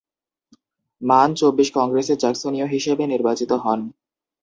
মান চব্বিশ কংগ্রেসে জ্যাকসনীয় হিসেবে নির্বাচিত হন।